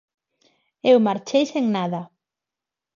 Eu marchei sen nada.